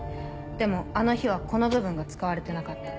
でもあの日はこの部分が使われてなかった。